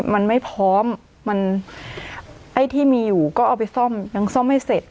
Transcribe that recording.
มันไม่พร้อมมันไอ้ที่มีอยู่ก็เอาไปซ่อมยังซ่อมให้เสร็จ